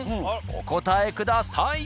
お答えください。